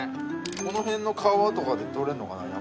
この辺の川とかで取れるのかなヤマメ。